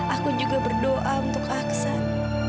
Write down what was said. aku juga berdoa untuk aksan